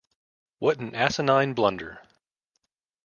What an asinine blunder!